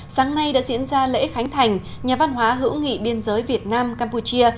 sáng nay đã diễn ra lễ khánh thành nhà văn hóa hữu nghị biên giới việt nam campuchia